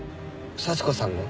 幸子さんの？